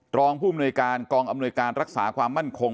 รองผู้มนวยการกองอำนวยการรักษาความมั่นคง